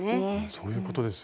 そういうことですよね。